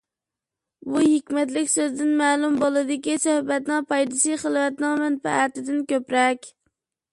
بۇ ھېكمەتلىك سۆزدىن مەلۇم بولىدۇكى، سۆھبەتنىڭ پايدىسى خىلۋەتنىڭ مەنپەئىتىدىن كۆپرەك.